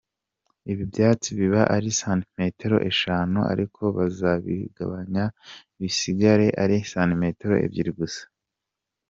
Ibi byatsi biba ari santimetero eshanu ariko bazabigabanya bisigare ari santimetero ebyiri gusa.